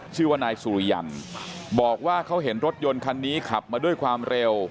ชื่อว่านายสุริยันบอกว่าเขาเห็นรถยนต์คันนี้ขับมาด้วยความเร็ว